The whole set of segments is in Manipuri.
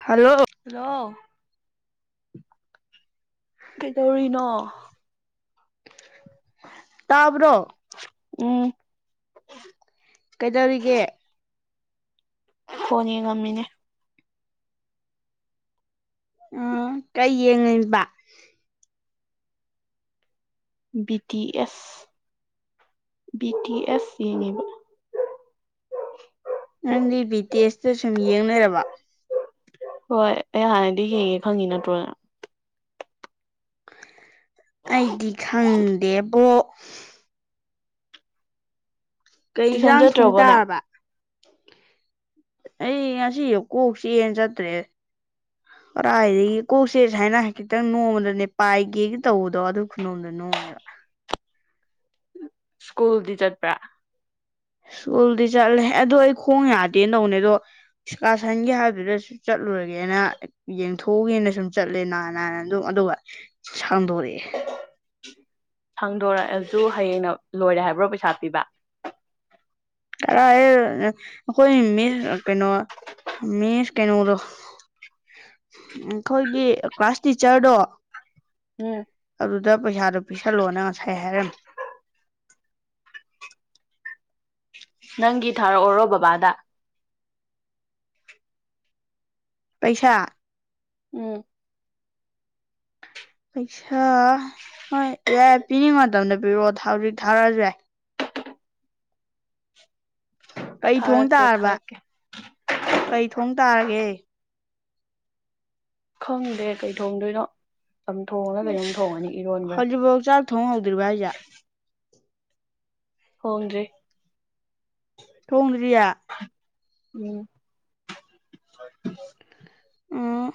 ꯍꯜꯂꯣ ꯍꯜꯂꯣ ꯀꯩꯗꯧꯔꯤꯅꯣ ꯇꯥꯕ꯭ꯔꯣ ꯎꯝ ꯀꯩꯗꯧꯔꯤꯒꯦ ꯐꯣꯟ ꯌꯦꯡꯉꯝꯃꯤꯅꯦ ꯎꯝ ꯀꯩ ꯌꯦꯡꯉꯤꯕ B T S B T S ꯌꯦꯡꯉꯤꯕ ꯅꯪꯗꯤ ꯕꯤ ꯇꯤ ꯑꯦꯁꯇ ꯁꯨꯝ ꯌꯦꯡ ꯂꯩꯔꯕ ꯍꯣꯏ ꯑꯩ ꯍꯥꯟꯅꯗꯤ ꯌꯦꯡꯉꯦ ꯈꯪꯉꯤ ꯅꯠꯇ꯭ꯔꯣ ꯅꯪ ꯑꯩꯗꯤ ꯈꯪꯗꯦꯕꯣ ꯀꯩ ꯇꯨꯏꯁꯟ ꯏꯟꯖꯥꯡ ꯊꯣꯡ ꯆꯠꯇ꯭ꯔꯕꯣ ꯅꯪ ꯇꯥꯔꯕ ꯑꯩ ꯉꯁꯤ ꯀꯣꯛ ꯆꯤꯛꯑꯦꯅ ꯆꯠꯇ꯭ꯔꯦ ꯀꯔꯥꯏꯗꯒꯤ ꯀꯣꯛꯁꯦ ꯁꯥꯏꯅ ꯈꯤꯇꯪ ꯅꯣꯝꯕꯗꯅꯦ ꯄꯥꯏꯒꯦꯒ ꯇꯧꯕꯗꯣ ꯑꯗꯨ ꯈꯨꯅꯣꯝꯗꯨ ꯅꯣꯝꯃꯦꯕ ꯁ꯭ꯀꯨꯜꯗꯤ ꯆꯠꯄ꯭ꯔꯥ ꯏꯁ꯭ꯀꯨꯜꯗꯤ ꯆꯠꯂꯦ ꯑꯗꯨ ꯑꯩ ꯈꯣꯡ ꯌꯥꯗꯦ ꯇꯧꯅꯦꯗꯣ ꯏꯁꯀꯥꯔꯁꯟꯒꯤ ꯍꯥꯏꯕꯗꯨꯗꯁꯨ ꯆꯠꯂꯨꯔꯒꯦꯅ ꯌꯦꯡꯊꯣꯛꯎꯒꯦꯅ ꯁꯨꯝ ꯆꯠꯂꯦ ꯅꯥ ꯅꯥꯅ ꯑꯗꯨꯝ ꯑꯗꯨꯒ ꯁꯥꯡꯗꯣꯔꯛꯑꯦ ꯁꯥꯡꯗꯣꯔꯛꯑꯁꯨ ꯍꯌꯦꯡꯅ ꯂꯣꯏꯔꯦ ꯍꯥꯏꯕ꯭ꯔꯣ ꯄꯩꯁꯥ ꯄꯤꯕ ꯀꯔꯥꯏꯗꯩꯅꫭ ꯑꯩꯈꯣꯏ ꯃꯤꯁ ꯀꯩꯅꯣ ꯃꯤꯁ ꯀꯩꯅꯣꯗꯣ ꯑꯩꯈꯣꯏꯒꯤ ꯀ꯭ꯂꯥꯁ ꯇꯤꯆꯔꯗꯣ ꯎꯝ ꯑꯗꯨꯗ ꯄꯩꯁꯥꯗꫭ ꯄꯤꯁꯜꯂꯣꯅ ꯉꯁꯥꯏ ꯍꯥꯏꯔꯝꯃꯦ ꯅꯪꯒꯤ ꯊꯥꯔꯛꯑꯣꯔꯣ ꯕꯕꯥꯗ ꯄꯩꯁꯥ ꯎꯝ ꯄꯩꯁꯥ ꯍꯣꯏ ꯌꯥꯏ ꯄꯤꯅꯤꯡ ꯃꯇꯝꯗ ꯄꯤꯔꯛꯑꯣ ꯍꯧꯖꯤꯛ ꯊꯥꯔꯛꯑꯁꯨ ꯌꯥꯏ ꯀꯩ ꯊꯣꯡ ꯊꯥꯔꯛꯀꯦ ꯇꯥꯔꯕ ꯊꯥꯔꯛꯀꯦ ꯀꯩ ꯊꯣꯡ ꯇꯥꯔꯒꯦ ꯈꯪꯗꯦ ꯀꯩ ꯊꯣꯡꯗꯣꯏꯅꯣ ꯆꯝ ꯊꯣꯡꯂ ꯀꯩꯅꯣꯝ ꯊꯣꯡꯉꯅꯤ ꯏꯔꯣꯟꯕ꯭ꯔꯥ ꯆ [unintelligible] ꯊꯣꯡ ꯍꯧꯗꯔꯤꯕꫭ ꯊꫭꯡꯗ꯭ꯔꯤ ꯊꯣꯡꯗꯔꯤꯌꯦ ꯎꯝ ꯍ [unintelligible] ꯑꯥ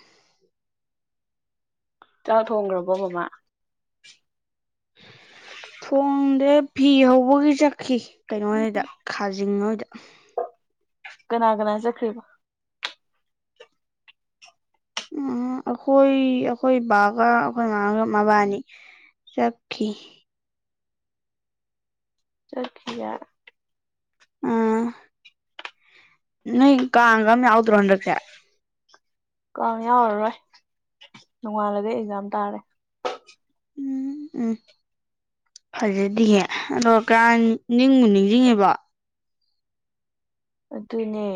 ꯆꯥꯛ ꯊꯣꯡꯒꯔꯕꯣ ꯃꯝꯃꯥ ꯊꯣꯡꯗꯦ ꯐꯤ ꯍꯧꯕꯒꯤ ꯆꯠꯈꯤ ꯀꯩꯅꯣꯍꫭꯏꯗ ꯈꯥꯖꯤꯡ ꯍꯣꯏꯗ ꯀꯅꯥ ꯀꯅꯥ ꯆꯠꯈꯔꯤꯕ ꯎꯝ ꯑꯩꯈꯣꯏ ꯑꯩꯈꯣꯏ ꯕꯥꯒ ꯑꯩꯈꯣꯏ ꯃꯥꯒ ꯃꯕꯥꯏꯅꯤ ꯆꯠꯈꯤ ꯆꯠꯈꯤꯌꯦ ꯎꯝ ꯅꯣꯏ ꯀꯥꯡꯒ ꯑꯝ ꯌꯥꯎꯗ꯭ꯔꯣ ꯍꯟꯗꯛꯁꯦ ꯀꯥꯡ ꯌꯥꯎꯔꯔꯣꯏ ꯅꯣꯡꯉꯥꯜꯂꯒ ꯑꯦꯛꯖꯥꯝ ꯇꯥꯔꯦ ꯎꯝ ꯎꯝ ꯐꯖꯗꯤꯌꯦ ꯑꯗꯣ ꯀꯥꯡ ꯅꯤꯡꯕꯨ ꯅꯤꯡꯁꯤꯡꯉꯤꯕꯣ ꯑꯗꯨꯅꯦ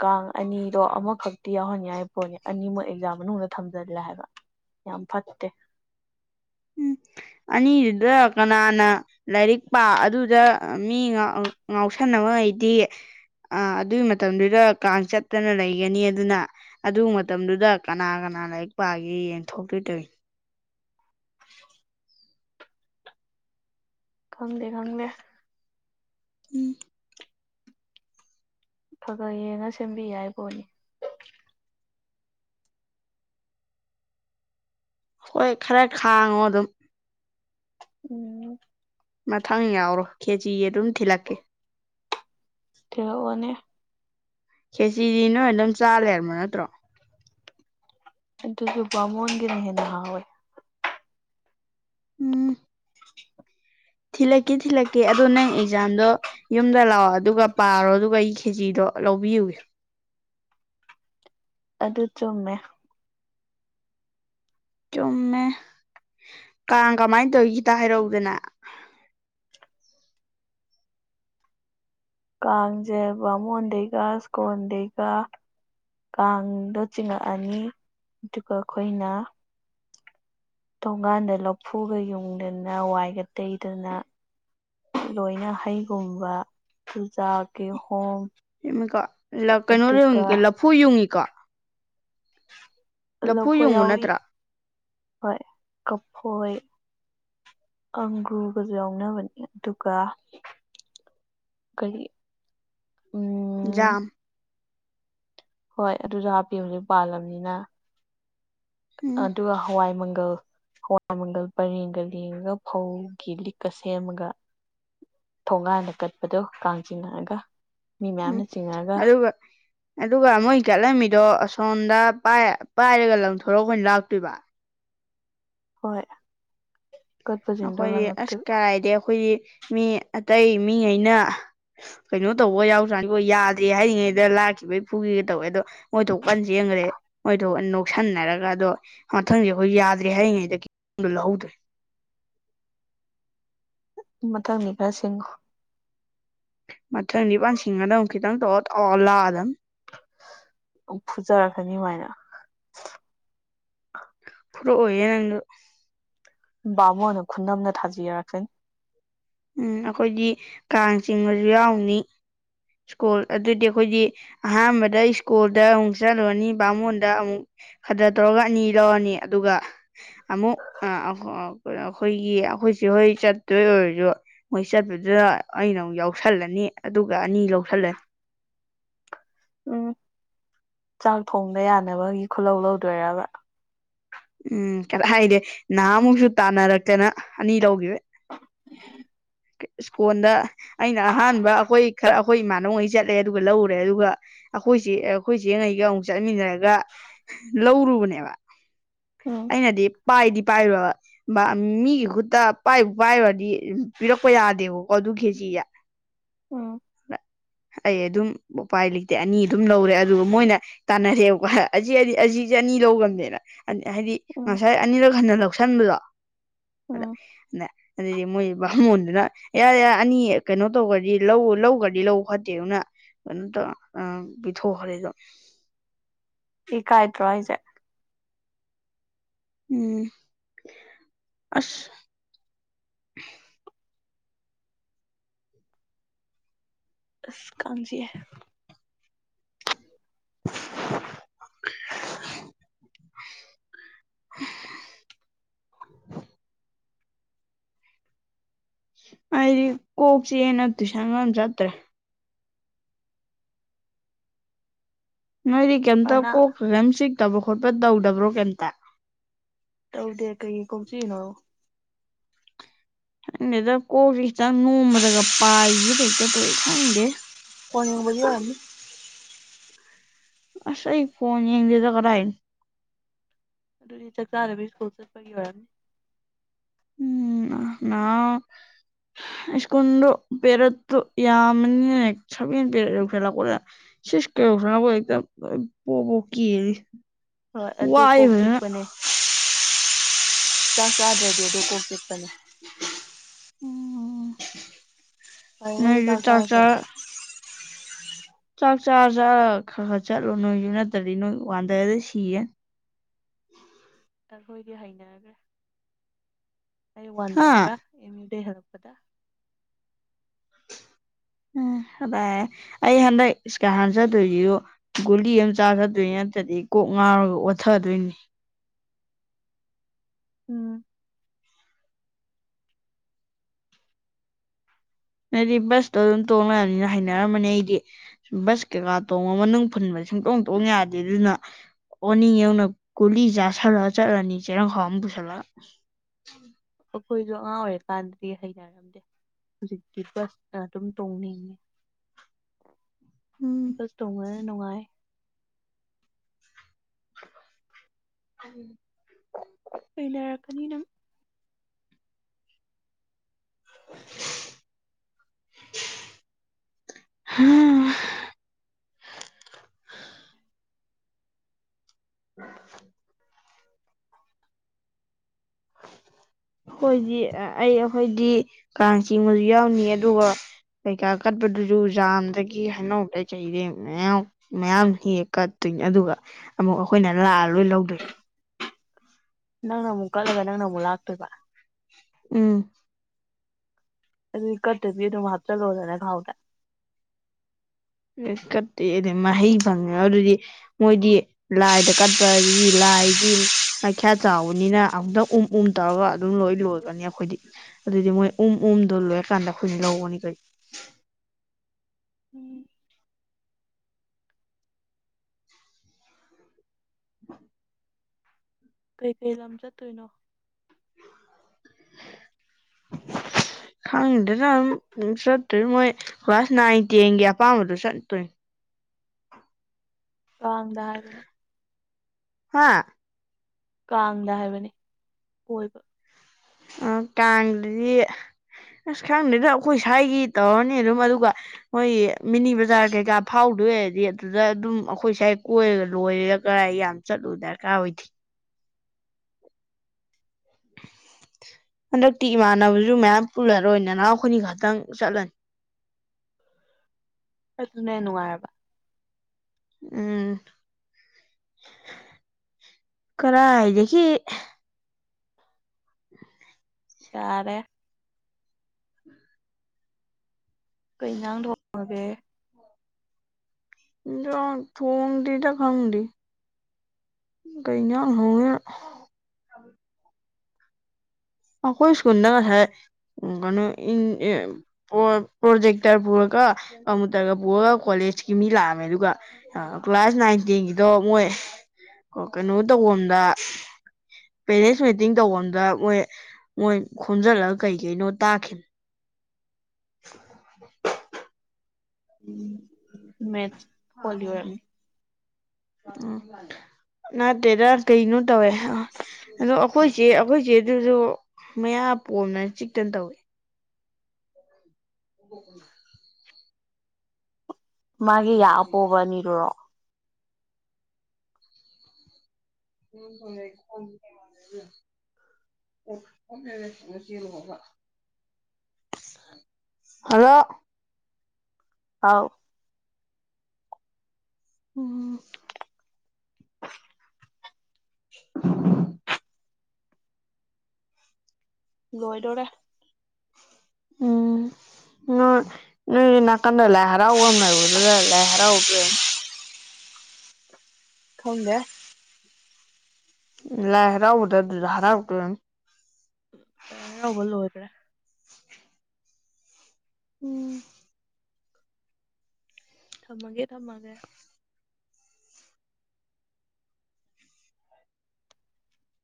ꯀꯥꯡ ꯑꯅꯤꯗꯣ ꯑꯃꯈꯛꯇꯤ ꯌꯥꯎꯍꯟꯌꯥꯏ ꯄꯣꯠꯅꯤ ꯑꯅꯤꯃꯨꯛ ꯑꯦꯛꯖꯥꯝ ꯃꯅꯨꯡꯗ ꯊꯝꯖꯤꯜꯂꯦ ꯍꯥꯏꯕ ꯌꯥꯝ ꯐꯠꯇꯦ ꯎꯝ ꯑꯅꯤꯗꯨꯗ ꯀꯅꯥꯅ ꯂꯥꯏꯔꯤꯛ ꯄꯥ ꯑꯗꯨꯗ ꯃꯤ ꯉꯥꯎ ꯉꯥꯎꯁꯟꯅꯕꯉꯩꯗꯤ ꯑꯥ ꯑꯗꯨꯒꯤ ꯃꯇꯝꯗꯨꯗ ꯀꯥꯡ ꯆꯠꯇꯅ ꯂꯩꯒꯅꯤ ꯑꯗꯨꯅ ꯑꯗꯨ ꯃꯇꯝꯗꯨꯗ ꯀꯅꯥ ꯀꯅꯥ ꯂꯥꯏꯔꯤꯛ ꯄꯥꯒꯦ ꯌꯦꯡꯊꯣꯛꯇꯣꯏ ꯇꯣꯏꯅꯤ ꯈꯪꯗꯦ ꯈꯪꯗꯦ ꯎꯝ ꯈꯒ ꯌꯦꯡꯉ ꯁꯦꯝꯕꯤ ꯌꯥꯏꯄꫭꯠꯅꯤ ꯍꯣꯏ ꯈꯔ ꯈꯥꯡꯉꯣ ꯑꯗꯨꯝ ꯎꯝ ꯃꯊꯪ ꯌꯥꯎꯔꯣ ꯈꯦꯆꯤ ꯑꯗꯨꯝ ꯊꯤꯜꯂꯛꯀꯦ ꯊꯤꯜ ꯂꯛꯑꫭꯅꯦ ꯈꯦꯆꯤꯗꯤ ꯅꯣꯏ ꯑꯗꯨꯝ ꯆꯥ ꯂꯩꯔꯕ ꯅꯠꯇ꯭ꯔꯣ ꯑꯗꯨꯖꯨ ꯕꯥꯃꯣꯟꯒꯤꯅ ꯍꯦꯟꯅ ꯍꯥꯎꯋꯦ ꯎꯝ [unintelligible] ꯊꯤꯜꯂꯛꯀꯦ ꯊꯤꯜꯂꯛꯀꯦ ꯑꯗꯣ ꯅꯪ ꯑꯦꯛꯖꯥꯝꯗꯣ ꯌꯨꯝꯗ ꯂꯥꯛꯑꯣ ꯑꯗꯨꯒ ꯄꯥꯔꯣ ꯑꯗꯨꯒ ꯑꯩ ꯈꯦꯖꯤꯗꯣ ꯂꯧꯕꯤꯌꯨ ꯑꯗꯨ ꯆꯨꯝꯃꯦ ꯆꯨꯝꯃꯦ ꯀꯥꯡ ꯀꯃꯥꯏꯅ ꯇꯧꯏ ꯈꯤꯇ ꯍꯥꯏꯔꯛꯎꯗꯅ ꯀꯥꯡꯖꯦ ꯕꯥꯃꯣꯟꯗꯒꯤꯒ ꯁ꯭ꯀꯣꯟꯗꯦꯒ ꯀꯥꯡꯗꯣ ꯆꯤꯡꯉꯛꯑꯅꯤ ꯑꯗꯨꯒ ꯑꯩꯈꯣꯏꯅ ꯊꫭꯒꯥꯟꯗꯩ ꯂꯐꯨꯒ ꯌꯨꯡꯗꯅ ꯋꯥꯏꯒ ꯇꯩꯗꯅ ꯂꯣꯏꯅ ꯍꯩꯒꯨꯝꯕ ꯆꯨꯖꯥꯛ ꯀꯤꯍꯣꯝ [unintelligible] ꯑꯗꯨꯒ ꯀꯩꯅꫭ ꯂꯐꯨ ꯌꯨꯡꯉꯤꯀꯣ ꯂꯐꯨ ꯂꯐꯣꯏ ꯌꯨꯡꯕ ꯌꯥꯎꯏꯤ ꯅꯠꯇ꯭ꯔꯥ ꯍꯣꯏ ꯀꯐꯣꯏ ꯑꯪꯒꯨꯔꯒꯖꯨ ꯌꯎꯅꯕꯅꯤ ꯑꯗꯨꯒ ꯀꫪꯤ ꯎꯝ ꯖꯝ ꯍꯣꯏ ꯑꯗꯨꯗ ꯍꯥꯞꯄꯦ ꯍꯧꯖꯤꯛ ꯄꯥꯜꯂꯝꯅꯤꯅ ꯎꯝ ꯑꯗꯨꯒ ꯍꯋꯥꯏ ꯃꯪꯒꯜ ꯍꯋꯥꯏ ꯃꯪꯒꯜ ꯄꯔꯦꯡꯒ ꯂꯦꯡꯉꯒ ꯐꯧꯒꯤ ꯂꯤꯛꯀ ꯁꯦꯝꯃꯒ ꯊꯣꯡꯒꯥꯟꯗ ꯀꯠꯄꯗꯣ ꯀꯥꯡ ꯆꯤꯡꯉꯛꯑꯒ ꯃꯤ ꯎꯝ ꯃꯌꯥꯝꯅ ꯆꯤꯡꯉꯛꯒ ꯑꯗꯨꯒ ꯑꯗꯨꯒ ꯃꯣꯏ ꯀꯠꯂꯝꯃꯤꯗꯣ ꯑꯁꯣꯝꯗ ꯄꯥꯏꯔꯒ ꯂꯪꯊꯣꯔꯛꯑ ꯑꯩꯈꫭꯏꯅ ꯂꯥꯛꯇꯣꯏꯕ ꯍꯣꯏ ꯀꯠꯄꯁꯤꯡꯗꯣ ꯑꯩꯈꯣꯏꯗꯤ ꯑꯁ ꯂꯪꯉꯛꯇꯣꯏꯕ ꯀꯔꯥꯏꯗꯩ ꯑꯩꯈꯣꯏꯗꯤ ꯃꯤ ꯑꯇꯩ ꯃꯤꯉꯩꯅ ꯀꯩꯅꯣ ꯇꯧꯕꯒ ꯌꯥꯎꯖꯥꯠꯅꯤꯉꫭ ꯌꯥꯗꯦ ꯍꯥꯏꯔꯤꯉꯩꯗ ꯂꯥꯛꯈꯤꯕꯩ ꯐꯨꯒꯦꯒꯥ ꯇꯧꯋꯦ ꯑꯗꯣ ꯃꯣꯏꯊꫭꯛ ꯀꯥꯟ ꯆꯦꯟꯒꯔꯦ ꯃꯣꯏꯊꫭꯛ ꯂꯧꯁꯟꯅꯔꯒ ꯑꯗꯣ ꯃꯊꯪ ꯑꯩꯈꯣꯏ ꯌꯥꯗ꯭ꯔꯦ ꯍꯥꯏꯔꯤꯉꯩꯗ ꯀꯤꯍꫭꯝꯗꯣ ꯂꯧꯍꯧꯗꫪꯦ ꯃꯊꯪꯗꯤ ꯈꯔ ꯁꯤꯡꯉꯣ ꯃꯊꯪꯗꯤ ꯐꯅ ꯁꯤꯡꯉꯗꯧꯅꯤ ꯈꯤꯇꯪ ꯇꯣ ꯇꯧꯔ‌ꯂꯥꯛꯑꯗꯕꯅꯤ ꯐꯨꯖꯔꯛꯁꯅꯤ ꯃꯥꯏꯅ ꯐꯨꯛꯑꯣꯏꯌꯦ ꯅꯪꯖꯨ ꯕꯥꯃꯣꯅ ꯈꯨꯟꯅꯝꯅ ꯊꯥꯕꯤꯔꯛꯁꯅꯤ ꯎꯝ ꯑꯩꯈꯣꯏꯗꯤ ꯀꯥꯡ ꯆꯤꯡꯉꯖꯨ ꯌꯥꯎꯅꯤ ꯁ꯭ꯀꯨꯜ ꯑꯗꯨꯗꯤ ꯑꯩꯈꯣꯏꯗꯤ ꯑꯍꯥꯟꯕꯗ ꯁ꯭ꯀꯨꯜꯗ ꯑꯃꯨꯛ ꯆꯠꯂꯨꯔꯅꯤ ꯕꯥꯃꯣꯟꯗ ꯑꯃꯨꯛ ꯐꯗꯥ ꯇꯧꯔꯒ ꯑꯅꯤ ꯂꯧꯔꯅꯤ ꯑꯗꯨꯒ ꯑꯃꯨꯛ ꯑꯩꯈꯣꯏꯒꯤ ꯑꯩꯈꯣꯏ ꯆꯦ ꯍꯣꯏ ꯆꯠꯇꯣꯏ ꯑꯣꯏꯔꯖꯨ ꯃꯣꯏ ꯆꯠꯄꯗꯨꯗ ꯑꯩꯅ ꯑꯃꯨꯛ ꯌꯥꯎꯁꯜꯂꯅꯤ ꯑꯗꯨꯒ ꯑꯅꯤ ꯂꯧꯎꯁꯜꯂꯦ ꯎꯝ ꯆꯥꯛ ꯊꯣꯡꯕ ꯌꯥꯅꯕꯒꯤ ꯈꯨꯜꯂꯧ ꯂꯧꯗꯣꯏꯔꯕ ꯎꯝ ꯀꯔꯥꯏꯗꯩ ꯅꯍꯥꯃꯨꯛꯁꯨ ꯇꯥꯟꯅꯔꯛꯇꯅ ꯑꯅꯤ ꯂꯧꯒꯤꯕꯩ [unintelligible] ꯁꯀꯣꯟꯗ ꯑꯩꯅ ꯑꯍꯥꯟꯕ ꯑꯩꯈꯣꯏ ꯈꯔ ꯑꯩꯈꯣꯏ ꯏꯃꯥꯟꯅꯕꯉꯩ ꯆꯠꯂꯦ ꯑꯗꯨꯒ ꯂꯧꯔꯨꯔꯦ ꯑꯗꯨꯒ ꯑꯩꯈꯣꯏꯆꯦ ꯑꯩꯈꯣꯏꯆꯦ ꯉꯩꯒ ꯑꯃꯨꯛ ꯆꯠꯃꯤꯟꯅꯔꯒ ꯂꯧꯔꯨꯕꯅꯦꯕ ꯎꯝ ꯑꯩꯅꯗꯤ ꯄꯥꯏꯗꯤ ꯄꯥꯏꫪꯨꫪꯕ ꯃꯤꯒꯤ ꯈꯨꯠꯇ ꯄꯥꯏꯕꯨ ꯄꯥꯏꯔꯨꯔꯗꯤ ꯄꯤꯔꯛꯄ ꯌꯥꯗꯦꯕꯀꯣ ꯑꯗꯨ ꯈꯦꯖꯤ ꯎꯝ ꯑꯩ ꯑꯗꯨꯝ ꯎꯄꯥꯏ ꯂꯩꯇꯦ ꯑꯅꯤ ꯑꯗꯨꯝ ꯂꯧꯔꯦ ꯑꯗꯨꯒ ꯃꯣꯏꯅ ꯇꯥꯟꯅꯔꯦꯕꯀꯣꯗꯤ ꯑꯁꯤꯁꯦ ꯑꯅꯤ ꯂꯧꯒꫪꯕꯅꯦꯅ ꯍꯥꯏꯗꯤ ꯎꯝ ꯉꯁꯥꯏ ꯑꯅꯤꯔꯛ ꯍꯟꯅ ꯂꯧꯁꯟꯕꯗꯣ ꯑꯗ ꯎꯝ ꯑꯗ ꯑꯗꯨꯗꯩꯗꯤ ꯃꯣꯏ ꯕꯥꯃꯣꯟꯗꯨꯅ ꯏꯌꯥ ꯌꯥ ꯑꯅꯤ ꯀꯩꯅꯣ ꯇꯧꯈꯒ꯭ꫪꯗꯤ ꯂꯧ ꯂꯧꯈꯒ꯭ꫪꯗꯤ ꯂꯧ ꯐꯠꯇꯦꯅ ꯀꯩꯅꯣ ꯇꯧ ꯑꯥ ꯄꯤꯊꯣꯛꯈ꯭ꯔꯦ ꯑꯗꯨꯝ ꯏꯀꯥꯏꯇ꯭ꯔꯣ ꯍꯥꯏꯖꯦ ꯎꯝ ꯑꯁ ꯑꯁ ꯀꯥꯡ ꯆꯤꯛꯑ‌ꯦ ꯑꯩꯗꯤ ꯀꯣꯛ ꯆꯤꯛꯑꯦꯅ ꯇꯨꯏꯁꯟꯒ ꯑꯝ ꯆꯠꯇ꯭ꯔꯦ ꯅꯣꯏꯗꯤ ꯀꯩꯝꯇ ꯑꯅꯥ ꯀꯣꯛꯇ ꯀꯝ ꯆꯤꯛꯇꯕ ꯈꯣꯠꯄ ꯇꯧꯗꯕ꯭ꯔꯣ ꯀꯩꯝꯇ ꯇꯧꯗꯦ ꯀꯩꯒꯤ ꯀꯣꯛ ꯆꯤꯛꯢꯅꯣ ꯈꯪꯗꯦꯗ ꯀꯣꯛꯁꯤ ꯈꯤꯇꯪ ꯅꯣꯡꯕꯗꯒ ꯄꯥꯏꯈꯤꯒꯦ ꯍꯩꯛꯇ ꯇꯧꯢ ꯈꯪꯗꯦ ꯐꯧ ꯌꯦꯡꯕꯒꯤ ꯑꯣꯏꯔꯝꯅꯤ ꯑꯁ ꯑꯩ ꯐꯣꯟ ꯌꯦꯡꯗꯦꯗ ꯀꯗꯥꯏꯗꯩ ꯑꯗꯨꯗꯤ ꯆꯥꯛ ꯆꯥꯗꯕꯤ ꯁ꯭ꯀꯨꯜ ꯆꯠꯄꯒꯤ ꯑꯣꯏꯔꯝꯅꯤ ꯎꯝ ꯑ ꯏꯁꯀꯨꯜꯗꯨ ꯄꯦꯔꯠꯇꯣ ꯌꯥꯝꯕꯅꯤꯅ ꯁꯚꯦꯟ ꯄꯦꯔꯠ ꯑꯣꯏꯈꯠꯂꯛꯄꯗꯨꯗ ꯁꯤꯛꯁ ꯄꯦꯔꯠꯐꯥꯎ ꯕꯣ ꯕꯣ ꯀꯦꯜꯂꯤ ꯍꯣꯏ ꯑꯗꯨ ꯋꯥꯏ ꯀꯣꯛ ꯐꯖꯅ ꯆꯤꯛꯄꯅꯦ ꯆꯥꯛ ꯆꯥꯗ꯭ꯔꯗꯤ ꯑꯗꯨ ꯀꯣꯛ ꯆꯤꯛꯄꯅꯦ ꯐꯔꯤꯉꯩ ꯆꯥꯛ ꯆꯥ ꯆꯥꯗ꯭ꯔꯕ ꯆꯥꯛ ꯆꯥꯔ ꯆꯥꯔꯒ ꯈꯔ ꯈꯔ ꯆꯠꯂꯣ ꯅꯣꯏꯁꯨ ꯅꯠꯇ꯭ꯔꯗꯤ ꯅꯣꯏ ꯋꯥꯟꯗꯔꯗꯤ ꯁꯤꯔꯅꯤ ꯑꯩꯈꯣꯏꯗꯤ ꯍꯩꯅꯔꯈ꯭ꯔꯦ ꯑꯩ ꯍꯥ ꯋꯥꯟꯗꯕ꯭ꯔꯥ ꯑꯦꯝ ꯌꯨꯗꯒꯤ ꯍꯜꯂꯛꯄꯗ ꯎꯝ ꯑꯗꯩ ꯑꯩ ꯍꯟꯗꯛ ꯏꯁꯀꯥꯔꯁꯟ ꯆꯠꯇꯣꯏꯁꯤꯁꯨ ꯒꯨꯂꯤ ꯑꯃ ꯆꯥꯔ ꯆꯠꯇꯣꯏꯅꯦ ꯅꯠꯇ꯭ꯔꯗꯤ ꯀꯣꯛ ꯉꯥꯎꯔꯒ ꯑꯣꯠꯊꯗꯣꯏꯅꯤ ꯎꯝ ꯅꯣꯏꯗꯤ ꯕꯁꯇꯣ ꯑꯗꯨꯝ ꯇꯣꯡ ꯂꯩꯔꯕꯅꯤꯅ ꯍꯥꯏꯅꯔꯝꯃꯅꯤ ꯑꯩꯗꯤ ꯕꯁ ꯀꯩꯀꯥ ꯇꯣꯡꯉ ꯃꯅꯨꯡ ꯐꯨꯟꯕꯗ ꯁꯨꯡꯇꯣꯡ ꯇꯣꯡ ꯌꯥꯗꯦ ꯑꯗꯨꯅ ꯒꯨꯂꯤ ꯆꯥꯥꯁꯜꯂ ꯆꯠꯂꯅꯤ ꯆꯦꯔꯪ ꯈꯥꯎ ꯑꯃ ꯄꯨꯁꯜꯂ ꯑꯩꯈꯣꯏꯁꯨ ꯑꯉꯥꯡ ꯑꯣꯏꯔ ꯀꯥꯟꯗꯗꯤ ꯍꯩꯅꯔꯝꯗꯦ ꯍꯧꯖꯤꯛꯇꯤ ꯕꯁ ꯑꯗꯨꯝ ꯇꯣꯡꯅꯤꯡꯉꯦ [inaudible] ꯕꯁ ꯇꯣꯡꯕꯅ ꯅꯨꯡꯉꯥꯏ ꯎꯝ ꯍꯩꯅꯔꯛꯀꯅꯤ ꯅꯪ ꯍꯥ ꯎꯝ ꯑꯈꯣꯏꯗꯤ ꯑꯩ ꯑꯩꯈꯣꯏꯗꯤ ꯀꯥꯡ ꯆꯤꯡꯕꯁꯨ ꯌꯥꯎꯅꯤ ꯑꯗꯨꯒ ꯀꯩꯀꯥ ꯀꯠꯄꯗꯨꯁꯨ ꯖꯥꯝꯗꯒꯤ ꯍꯥꯏꯅꯧꯗꯩ ꯃꯌꯥꯝ ꯃꯌꯥꯝ ꯍꯦꯛ ꯍꯦꯛ ꯀꯠꯇꯣꯏꯅꯤ ꯑꯗꯨꯒ ꯑꯃꯨꯛ ꯑꯩꯈꯣꯏꯅ ꯂꯥꯛꯑ ꯂꯣꯏ ꯂꯧꯗꯣꯏꯅꯤ ꯅꯪꯅ ꯑꯃꯨꯛ ꯀꯠꯂꯒ ꯅꯪꯅ ꯑꯃꯨꯛ ꯂꯥꯛꯇꯣꯏꯕ ꯎꯝ ꯑꯗꯨ ꯀꯠꯇꯕꯤ ꯑꯗꯨꯝ ꯍꯥꯞꯆꯜꯂꯣꯗꯅ ꯈꯥꯎꯗ ꯀꯠꯇ꯭ꯔꯗꯤ ꯃꯍꯩ ꯐꯪꯉꯔꯣꯢ ꯑꯗꯨꯗꯤ ꯃꯣꯏꯗꯤ ꯂꯥꯏꯗ ꯀꯠꯄ ꯍꯥꯏꯗꯤ ꯂꯥꯏꯗꯤ ꯃꯩꯈ꯭ꯌꯥ ꯆꯥꯎꯕꯅꯤꯅ ꯑꯃꯨꯛꯇꯪ ꯎꯝ ꯎꯝ ꯇꯧꯔꯒ ꯑꯗꯨꯝ ꯂꯣꯏ ꯂꯣꯏꯒꯅꯤ ꯑꯩꯈꯣꯏꯗꯤ ꯑꯗꯨꯗꯤ ꯃꯣꯏ ꯎꯝ ꯎꯝꯗꯣ ꯂꯣꯏꯔꯀꯥꯟꯗ ꯑꯩꯈꯣꯏꯅ ꯂꯧꯕꯅꯤ ꯀꯩꯅꯣ ꯎꯝ [inaudible] ꯀꯩꯀꯩ ꯂꯝ ꯆꯠꯇꯣꯏꯅꯣ [inaudible] ꯈꯪꯗꯦꯅ ꯑꯗꯨ ꯆꯠꯇꯣꯏ ꯃꯣꯏ ꯀ꯭ꯂꯥꯁ ꯅꯥꯏꯟ ꯇꯦꯟꯒꯤ ꯑꯄꯥꯝꯕꯗꯨ ꯆꯠꯇꯣꯏꯅꯤ ꯀꯤꯡꯗ ꯍꯥꯏꯕꯅꯤ ꯍꯥ ꯀꯥꯡꯗ ꯍꯥꯏꯕꯅꯤ ꯀ‌ꯣꯏꯕ ꯑ ꯀꯥꯡꯗꯨꯗꯤ ꯑꯁ ꯈꯪꯗꯦꯗ ꯑꯩꯈꯣꯏ ꯁ꯭ꯋꯥꯏꯒꯤ ꯇꯧꯔꯅꯤ ꯑꯗꯨꯝ ꯑꯗꯨꯒ ꯍꯣꯏ ꯃꯤꯅꯤ ꯕꯖꯥꯔ ꯀꯩꯀꯥ ꯐꯥꯎꯗꯣꯏꯔꯗꯤ ꯑꯗꯨꯗ ꯑꯗꯨꯝ ꯑꯩꯈꯣꯏ ꯁꯥꯏ ꯀꯣꯏꯔꯒ ꯂꯣꯏꯔꯦꯒ ꯀꯔꯥꯏ ꯌꯥꯝ ꯆꯠꯂꯨꯕ ꯗꯔꯀꯥ ꯑꯣꯏꯗꯦ ꯍꯟꯗꯛꯇꯤ ꯏꯃꯥꯟꯅꯕꯁꯨ ꯃꯌꯥꯝ ꯄꯨꯜꯂꯔꯣꯏ ꯅꯅꯥꯎ ꯑꯩꯈꯣꯏꯅꯤ ꯈꯛꯇꯪ ꯆꯠꯂꯅꯤ ꯑꯗꯨꯅꯅꯅꯨꯡꯉꯥꯏꯦꯕ ꯎꯝ ꯀꯔꯥꯏꯗꯒꯤ ꯌꯥꯔꯦ ꯑꯩ ꯀꯣꯏ ꯏꯟꯥꯡ ꯊꯣꯡꯉꯒꯦ ꯌꯥ ꯊꯣꯡꯣꯡꯗꯤꯗ ꯈꯪꯗꯤ ꯀꯩ ꯌꯥ ꯍꯣꯡ ꯀꯣꯏ ꯏꯁꯀꯗꯁꯥꯏ ꯎ ꯀꯩꯅꯣ ꯏ ꯄ꯭ꯔꯣꯖꯦꯛꯛꯇꯔ ꯄꯨꯔꯒ ꯀꯝꯃꯨꯇꯔꯒ ꯄꯨꯒꯒ ꯀꯂꯦꯖꯀꯤꯃꯤꯂꯑꯃꯦꯔꯒ ꯑ ꯀ꯭ꯂꯥꯁ ꯅꯥꯏꯟ ꯇꯦꯟꯒꯤꯗꯣ ꯃꯣꯏ ꯀꯩꯅꯣ ꯇꯧꯕꯝꯗ ꯄꯦꯔꯦꯟꯁ ꯃꯤꯇꯤꯡ ꯇꯧꯕꯝꯗ ꯃꯣꯏ ꯃꯣꯏ ꯈꯣꯝꯖꯤꯜꯂꯒ ꯀꯩ ꯀꯩꯅꯣ ꯇꯥꯈꯤꯕ [inaudible] ꯎ ꯃꯦꯠ ꯍꯣꯜꯂꯤ ꯑꯣꯏꯔ ꯎꯝ ꯅꯠꯇꯦꯗ ꯀꯩꯅ ꯇꯧꯋꯦ ꯑꯗꯣ ꯑꯩꯈꯣꯏꯁꯦ ꯑꯩꯈꯣꯏꯁꯦ ꯑꯗꯨꯁꯨ ꯃꯌꯥ ꯄꯣꯝꯅ ꯆꯤꯛꯇꯅ ꯇꯧꯏꯦ [inaudible] ꯃꯥꯒꯤ ꯌꯥ ꯑꯄꯣꯕ ꯑꯅꯤꯗꯨꯨꯔꯣ [inaudible] [inaudible] ꯍꯜꯂꯣ ꯑꯥꯎ ꯎꯝ [inaudible] ꯂꯣꯏꯗꯣꯔꯦ ꯎꯝ ꯅꯣꯏ ꯅꯣꯏ ꯅꯥꯀꯟꯗ ꯂꯥꯏ ꯍꯔꯥꯎꯕ ꯑꯃ ꯂ ꯑꯣꯏꯔꯨꯔ ꯂꯥꯏ ꯍꯔꯥꯎꯒꯦ ꯈꯪꯗꯦ ꯂꯥꯏꯔꯥꯎꯗ ꯑꯗꯨ ꯍꯔꯥꯎꯗꯣꯏ ꯂꯥꯏ ꯍꯔꯥꯎꯕ ꯂꯣꯏꯒꯔ‌ꯦ ꯎꯝ ꯊꯝꯃꯒꯦ ꯊꯝꯃꯒꯦ